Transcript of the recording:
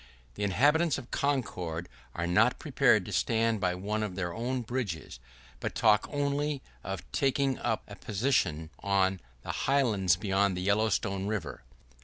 The inhabitants of Concord are not prepared to stand by one of their own bridges, but talk only of taking up a position on the highlands beyond the Yellowstone River.